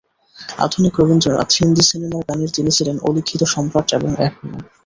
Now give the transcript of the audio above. আধুনিক রবীন্দ্রনাথ, হিন্দি সিনেমার গানের তিনি ছিলেন অলিখিত সম্রাট এবং এখনো।